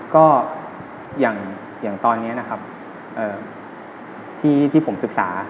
ก็อย่างตอนนี้นะครับที่ผมศึกษา